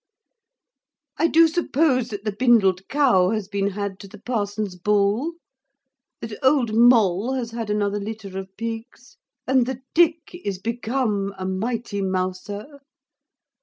I do suppose, that the bindled cow has been had to the parson's bull, that old Moll has had another litter of pigs, and that Dick is become a mighty mouser.